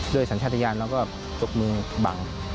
สัญชาติยานแล้วก็ตบมือบัง